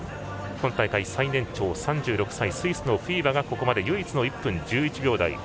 今大会最年長３６歳、スイスのフィーバがここまで唯一の１分１１秒台。